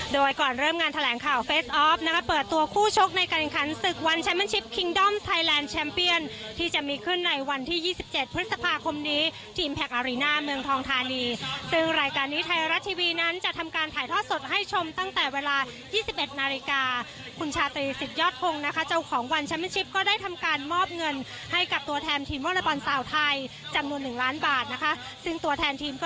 โดยก่อนเริ่มงานแถลงข่าวเฟสออฟนะคะเปิดตัวคู่ชกในการแขนสึกวันแชมป์เป็นชิปคิงดอมไทยแลนด์แชมป์เปียนที่จะมีขึ้นในวันที่๒๗พฤษภาคมนี้ทีมแพ็กอารีนาเมืองทองทานีซึ่งรายการนี้ไทยรัตน์ทีวีนั้นจะทำการถ่ายทอดสดให้ชมตั้งแต่เวลา๒๑นาฬิกาคุณชาตรีสิทธิ์ยอดทรงนะคะเจ้าข